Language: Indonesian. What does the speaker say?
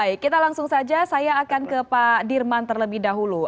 baik kita langsung saja saya akan ke pak dirman terlebih dahulu